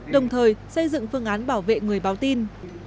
đồng thời xây dựng phương án bảo vệ người báo tin